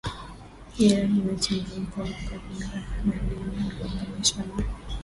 Iran ina mchanganyiko wa makabila na dini uliounganishwa na